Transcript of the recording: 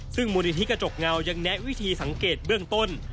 ซึ่งมูลนิธิกระจกเงายังแนะวิธีสังเกตเบื้องต้น